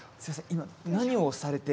今何をされて。